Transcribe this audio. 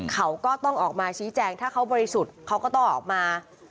เขาก็ต้องออกมาชี้แจงถ้าเขาบริสุทธิ์เขาก็ต้องออกมา